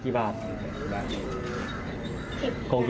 พระต่ายสวดมนต์